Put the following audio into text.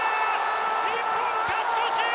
日本、勝ち越し！